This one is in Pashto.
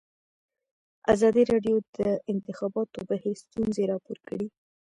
ازادي راډیو د د انتخاباتو بهیر ستونزې راپور کړي.